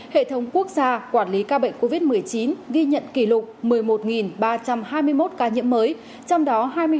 hệ thống quốc gia quản lý ca bệnh covid một mươi chín ghi nhận kỷ lục một mươi một ba trăm hai mươi một ca nhiễm mới trong đó